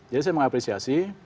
jadi saya mengapresiasi